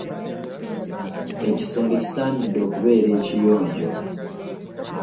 Ekisenge kisaanidde okubeera ekiyonjo.